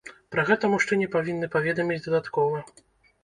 Пра гэта мужчыне павінны паведаміць дадаткова.